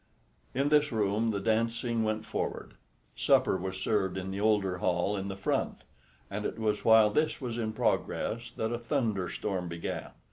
In this room the dancing went forward. Supper was served in the older hall in the front, and it was while this was in progress that a thunderstorm began.